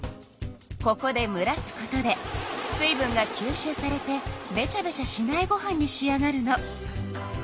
ここでむらすことで水分がきゅうしゅうされてべちゃべちゃしないご飯に仕上がるの。